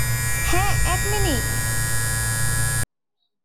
হ্যাঁঁ, এক মিনিট!